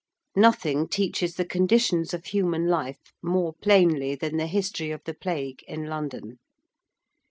Nothing teaches the conditions of human life more plainly than the history of the Plague in London.